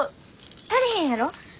足りへんやろ？